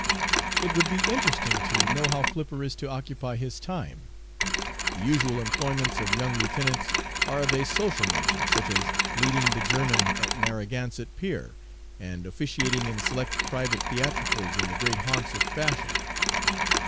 "It would be interesting to know how Flipper is to occupy his time. The usual employments of young lieutenants are of a social nature, such as leading the German at Narraganset Pier and officiating in select private theatricals in the great haunts of Fashion.